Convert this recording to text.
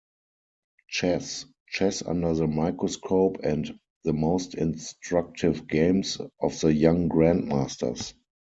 Chess", "Chess Under the Microscope" and "The Most Instructive Games of the Young Grandmasters".